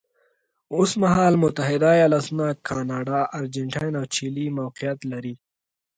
اوس مهال متحده ایالتونه، کاناډا، ارجنټاین او چیلي موقعیت لري.